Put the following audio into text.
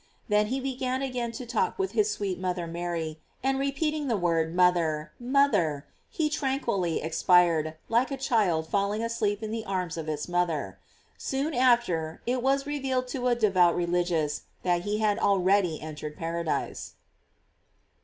Then he began again to talk with his sweet mother Mary, and repeating the word, mother, mother, he tranquilly expired, like a child falling asleep in the arms of its mother. Soon after, it was revealed to a devout religious that he had already entered paradise.